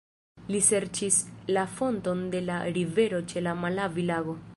Li serĉis la fonton de la rivero ĉe la Malavi-lago.